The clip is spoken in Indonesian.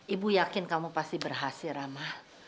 ibu yakin kamu pasti berhasil ramah